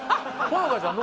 ほのかちゃん